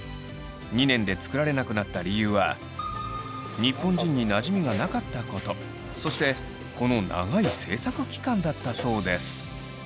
２年で作られなくなった理由は日本人になじみがなかったことそしてこの長い制作期間だったそうです。